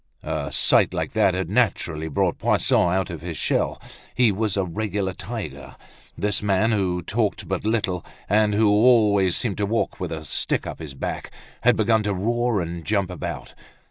A sight like that had naturally brought Poisson out of his shell. He was a regular tiger. This man, who talked but little and who always seemed to walk with a stick up his back, had begun to roar and jump about.